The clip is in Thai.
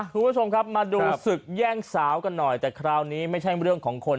คุณผู้ชมครับมาดูศึกแย่งสาวกันหน่อยแต่คราวนี้ไม่ใช่เรื่องของคน